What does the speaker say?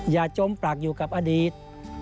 จมปรักอยู่กับอดีต